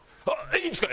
いいんですか？